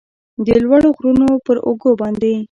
د لوړو غرونو پراوږو باندې